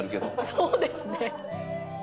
そうですね。